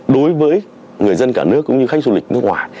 đối với người dân cả nước cũng như khách du lịch nước ngoài